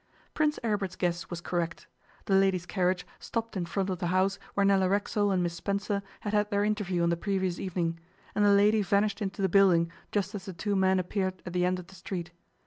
Prince Aribert's guess was correct. The lady's carriage stopped in front of the house where Nella Racksole and Miss Spencer had had their interview on the previous evening, and the lady vanished into the building just as the two men appeared at the end of the street.